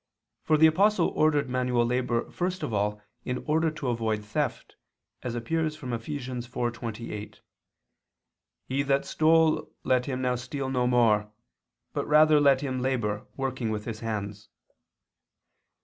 For the Apostle ordered manual labor first of all in order to avoid theft, as appears from Eph. 4:28, "He that stole, let him now steal no more; but rather let him labor, working with his hands."